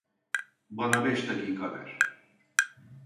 Bana beş dakika ver.